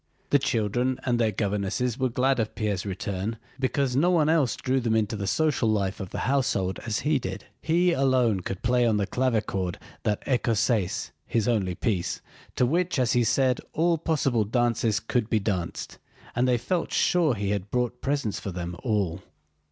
The children and their governesses were glad of Pierre's return because no one else drew them into the social life of the household as he did. He alone could play on the clavichord that écossaise (his only piece) to which, as he said, all possible dances could be danced, and they felt sure he had brought presents for them all.